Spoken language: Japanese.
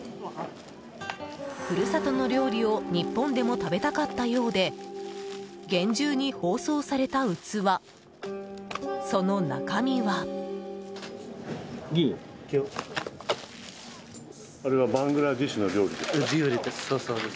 故郷の料理を日本でも食べたかったようで厳重に包装された器その中身は。